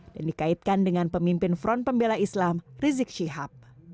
dan dikaitkan dengan pemimpin front pembela islam rizik shihab